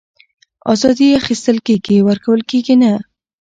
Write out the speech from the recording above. آزادي اخيستل کېږي ورکول کېږي نه